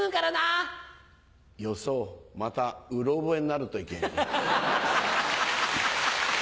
よそうまたうろ覚えになるといけねえ。